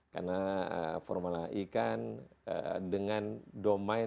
karena formula e kan dengan domain